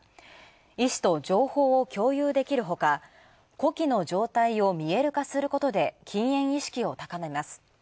医師と情報を共有できるほか、呼気の状態を見える化することで禁煙意識を高めます。